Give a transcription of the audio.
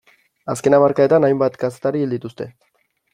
Azken hamarkadetan hainbat kazetari hil dituzte.